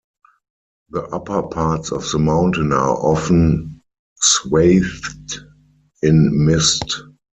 The upper parts of the mountain are often swathed in mist.